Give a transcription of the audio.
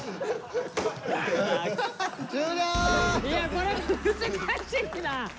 これ難しいな！